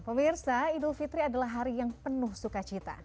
pemirsa idul fitri adalah hari yang penuh sukacita